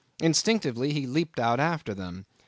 Instinctively he leaped out after them.